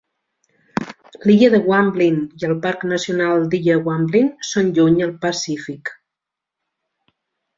L'illa de Guamblin i el parc nacional d'Illa Guamblin són lluny al Pacífic.